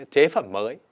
chế phẩm mới